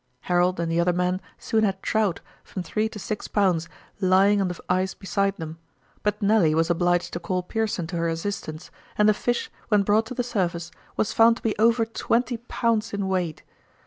Harold and the other men soon had trout, from three to six pounds, lying on the ice beside them, but Nelly was obliged to call Pearson to her assistance, and the fish, when brought to the surface, was found to be over twenty pounds in weight.